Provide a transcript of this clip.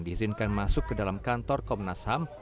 diizinkan masuk ke dalam kantor komnas ham